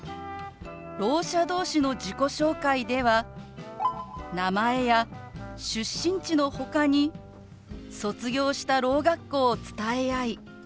ろう者同士の自己紹介では名前や出身地のほかに卒業したろう学校を伝え合い